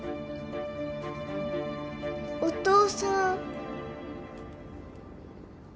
お父さん。